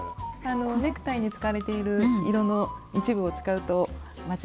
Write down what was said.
ネクタイに使われている色の一部を使うと間違いなく。